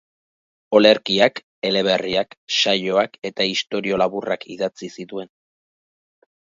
Olerkiak, eleberriak, saioak eta istorio laburrak idatzi zituen.